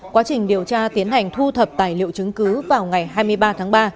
quá trình điều tra tiến hành thu thập tài liệu chứng cứ vào ngày hai mươi ba tháng ba